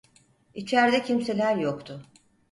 İçerde kimseler yoktu.